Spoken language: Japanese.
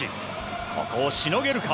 ここをしのげるか。